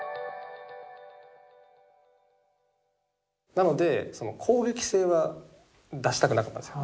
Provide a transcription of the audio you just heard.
なのでその攻撃性は出したくなかったんですよ。